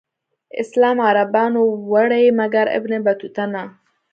اسلام عربانو وړی مګر ابن بطوطه نه.